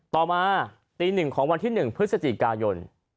ต่อมาตี๑ของวันที่๑พฤศจิกายน